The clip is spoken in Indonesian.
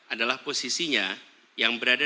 adalah posisinya yang berada